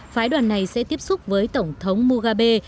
phái đoàn này sẽ tiếp xúc với tổng thống mohabe